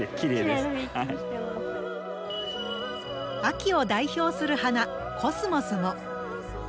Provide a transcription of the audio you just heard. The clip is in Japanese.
秋を代表する花、コスモスも。